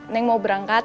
neng mau berangkat